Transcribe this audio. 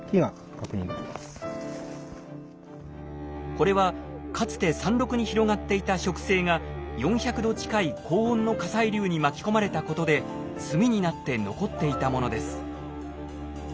これはかつて山麓に広がっていた植生が４００度近い高温の火砕流に巻き込まれたことで炭になって残っていたものです。